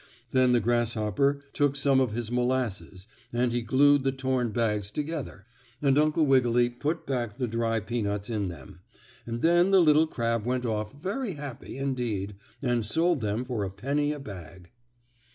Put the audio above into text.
Then the grasshopper took some of his molasses and he glued the torn bags together, and Uncle Wiggily put back the dry peanuts in them, and then the little crab went off very happy, indeed, and sold them for a penny a bag.